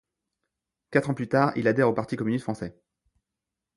Quatre ans plus tard, il adhère au Parti communiste français.